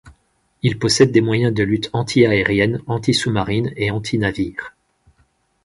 Il possède des moyens de lutte antiaérienne, anti-sous-marine et antinavire.